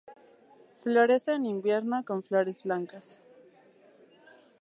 Florece en invierno con flores blancas.